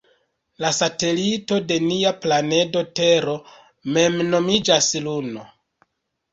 La satelito de nia planedo Tero mem nomiĝas Luno.